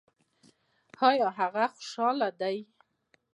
ایا هغه خوشحاله دی؟